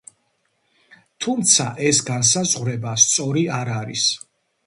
თუმცა ეს განსაზღვრება სწორი არ არის.